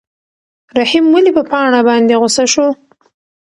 رحیم ولې په پاڼه باندې غوسه شو؟